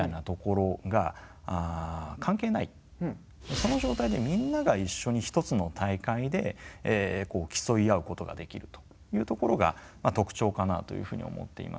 その状態でみんながいっしょに一つの大会で競い合うことができるというところが特徴かなというふうに思っていまして。